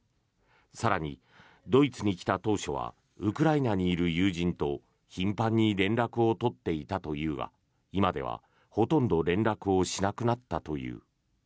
更に、ドイツに来た当初はウクライナにいる友人と頻繁に連絡を取っていたというが今では、ほとんど連絡をしなくなったという。